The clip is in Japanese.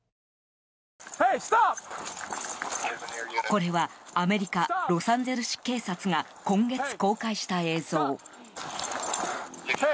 これはアメリカロサンゼルス市警察が今月、公開した映像。